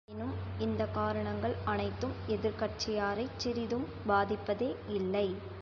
ஆயினும் இந்தக் காரணங்கள் அனைத்தும் எதிர்க் கட்சியாரைச் சிறிதும் பாதிப்பதே யில்லை.